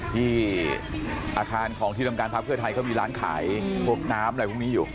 ที่อาคารของที่ทำการพักเพื่อไทยเขามีร้านขายพวกน้ำอะไรพวกนี้อยู่